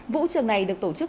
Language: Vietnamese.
vũ trường này được tổ chức